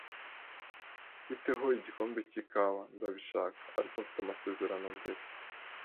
"Bite ho igikombe cy'ikawa?" "Ndabishaka, ariko mfite amasezerano mbere."